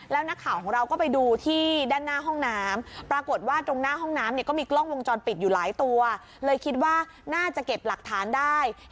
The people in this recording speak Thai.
แล้วคำนี้ไว้เลยค่ะ